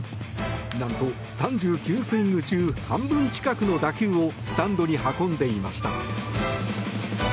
なんと、３９スイング中半分近くの打球をスタンドに運んでいました。